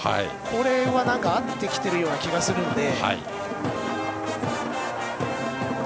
これは合ってきているような気がするので。